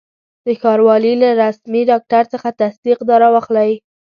د ښاروالي له رسمي ډاکټر څخه تصدیق را واخلئ.